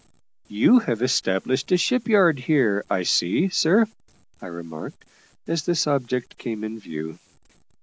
"You have established a ship yard here, I see, sir," I remarked, as this object came in view.